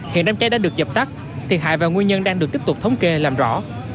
hiện đám cháy đã được dập tắt thiệt hại và nguyên nhân đang được tiếp tục thống kê làm rõ